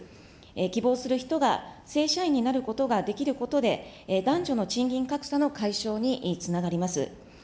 希望する人が、正社員になることができることで、男女の賃金格差の解消につながります。